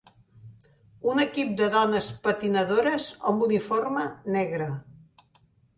Un equip de dones patinadores amb uniforme negre.